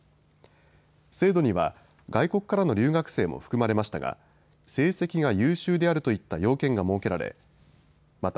制度には外国からの留学生も含まれましたが成績が優秀であるといった要件が設けられまた